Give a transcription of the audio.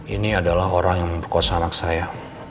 ini adalah orang yang berkosa anak saya